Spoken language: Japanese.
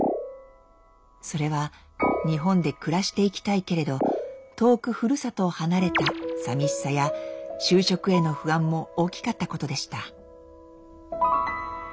それは日本で暮らしていきたいけれど遠くふるさとを離れたさみしさや就職への不安も大きかったことでした。